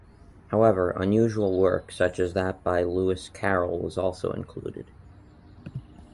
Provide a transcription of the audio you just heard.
However, unusual work such as that by Lewis Carroll was also included.